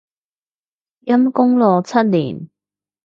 陰功咯，七年